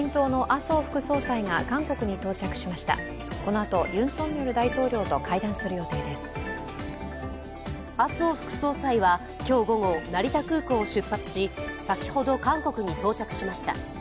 麻生副総裁は今日午後成田空港を出発し先ほど韓国に到着しました。